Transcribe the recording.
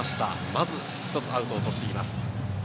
まず一つアウトを取っています。